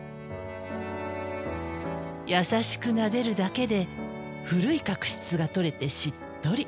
優しくなでるだけで古い角質が取れてしっとり。